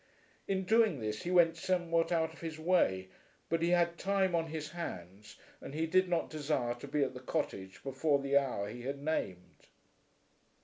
In doing this he went somewhat out of his way, but he had time on his hands and he did not desire to be at the cottage before the hour he had named.